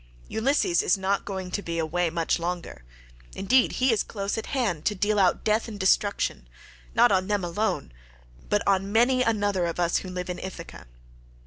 Ulysses is not going to be away much longer; indeed he is close at hand to deal out death and destruction, not on them alone, but on many another of us who live in Ithaca.